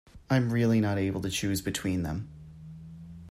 I'm really not able to choose between them.